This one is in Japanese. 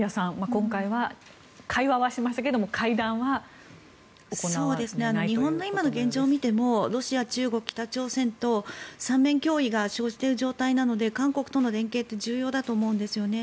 今回は会話はしましたけれど日本の今の現状を見てもロシア、中国、北朝鮮と三面脅威が生じている状況なので韓国との連携って重要だと思うんですよね。